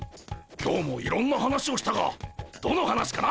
今日もいろんな話をしたがどの話かな。